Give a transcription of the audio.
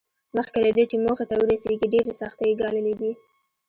مخکې له دې چې موخې ته ورسېږي ډېرې سختۍ یې ګاللې دي